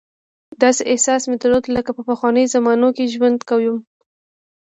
داسې احساس مې درلود لکه په پخوانیو زمانو کې ژوند کوم.